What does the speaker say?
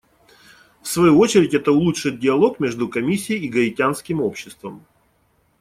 В свою очередь, это улучшит диалог между Комиссией и гаитянским обществом.